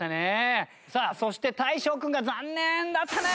さあそして大昇くんが残念だったね！